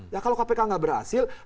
ya kalau kpk nggak berhasil